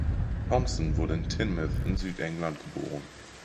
Thompson wurde in Teignmouth in Südengland geboren.